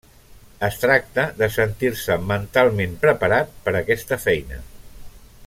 Es tracta de sentir-se mentalment preparat per aquesta feina.